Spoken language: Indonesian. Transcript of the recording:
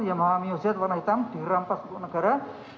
yang menghahami huzat warna hitam dirampas untuk negara